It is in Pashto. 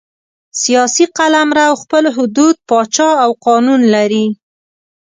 سیاسي قلمرو خپل حدود، پاچا او قانون لري.